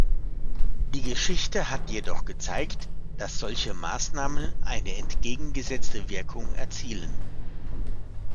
Die Geschichte hat jedoch gezeigt, dass solche Maßnahmen eine entgegengesetzte Wirkung erzielen.